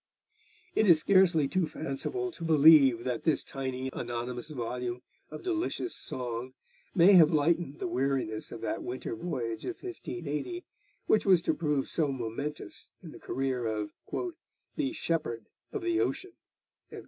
It is scarcely too fanciful to believe that this tiny anonymous volume of delicious song may have lightened the weariness of that winter voyage of 1580, which was to prove so momentous in the career of 'the Shepherd of the Ocean.'